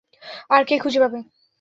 আর কে খুঁজে পাবে?